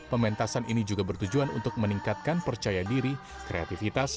pementasan ini juga bertujuan untuk meningkatkan percaya diri kreativitas